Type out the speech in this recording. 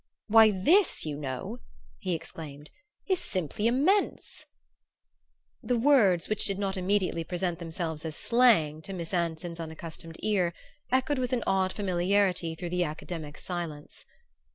"Why this, you know," he exclaimed, "is simply immense!" The words, which did not immediately present themselves as slang to Miss Anson's unaccustomed ear, echoed with an odd familiarity through the academic silence.